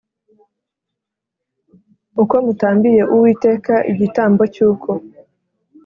Uko Mutambiye Uwiteka Igitambo Cy Uko